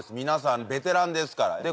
皆さんベテランですから。